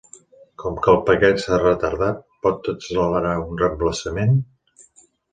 Com que el paquet s'ha retardat, pot accelerar un reemplaçament?